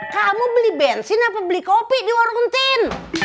kamu beli bensin apa beli kopi di warung ten